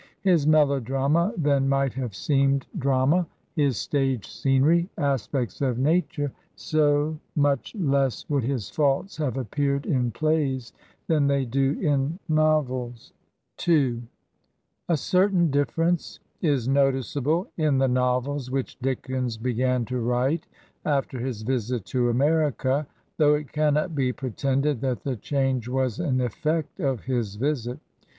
His melodrama then might have seemed drama; his stage scenery aspects of nature, so much 137 Digitized by VjOOQIC HEROINES OF FICTION less would his faults have appeared in plays than they do in novels. n A certain difference is noticeable in the novels which Dickens began to write after his visit to America, though it cannot be pretended that the change was an effect of his visit.